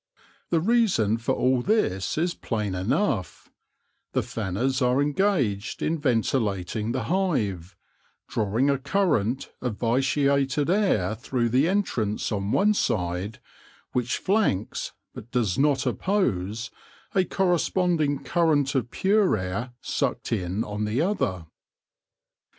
The reason for all this is plain enough : the fanners are engaged in ventilating the hive, drawing a current of vitiated air through the entrance on one side, which flanks, but does not oppose, a corresponding current of pure air sucked in on the other.